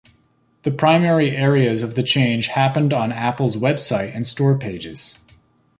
The primary areas of the change happened on Apple's website and store pages.